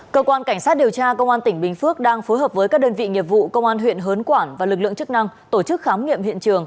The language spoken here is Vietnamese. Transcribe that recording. cơ quan cảnh sát điều tra công an tỉnh bình phước đang phối hợp với các đơn vị nghiệp vụ công an huyện hớn quản và lực lượng chức năng tổ chức khám nghiệm hiện trường